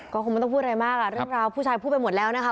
ก็คงไม่ต้องพูดอะไรมากเรื่องราวผู้ชายพูดไปหมดแล้วนะคะ